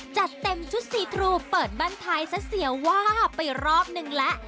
จัดเต็มชุดซีทรูเปิดบ้านท้ายซะเสียว่าไปรอบนึงแล้ว